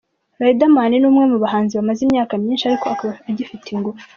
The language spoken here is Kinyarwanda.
Riderman ni umwe mu bahanzi bamaze imyaka myinshi ariko akaba agifite ingufu.